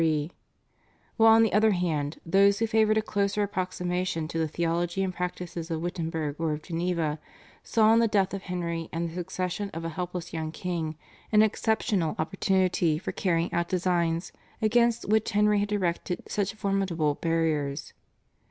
(1547 53); while, on the other hand, those, who favoured a closer approximation to the theology and practices of Wittenberg or of Geneva, saw in the death of Henry and the succession of a helpless young king an exceptional opportunity for carrying out designs against which Henry had erected such formidable barriers.